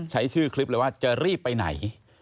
ใช้ชื่อคลิปเลยว่าจะรีบไปไหน